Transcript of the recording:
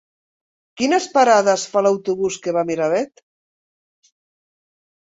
Quines parades fa l'autobús que va a Miravet?